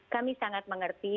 kami sangat mengerti